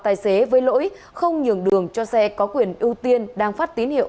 tài xế với lỗi không nhường đường cho xe có quyền ưu tiên đang phát tín hiệu